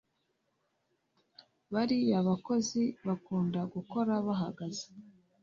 Bariya bakozi bakunda gukora bahagaze